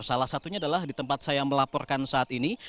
salah satunya adalah di tempat saya melaporkan saat ini